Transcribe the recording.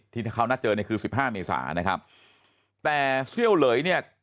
ที่เขานัดเจอคือ๑๕เมษานะครับแต่เชี่ยวเหลยเนี่ย